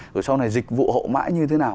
rồi sau này dịch vụ hậu mãi như thế nào